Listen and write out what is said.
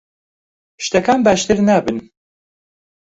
شتەکان باشتر نابن.